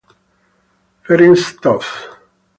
Ferenc Tóth